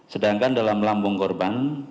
sedangkan dalam lambung korban